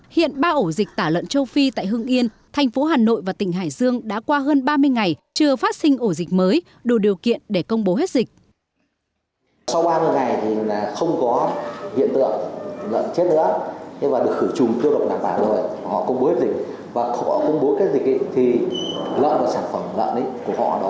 hiện ba ổ dịch tả lợn châu phi tại hưng yên thành phố hà nội và tỉnh hải dương đã qua hơn ba mươi ngày chưa phát sinh ổ dịch mới đủ điều kiện để công bố hết dịch